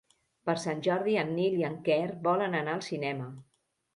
Per Sant Jordi en Nil i en Quer volen anar al cinema.